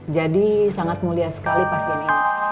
jadi sangat mulia sekali pasien ini